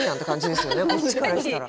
こっちからしたら。